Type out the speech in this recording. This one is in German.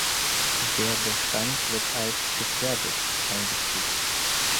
Der Bestand wird als „gefährdet“ eingestuft.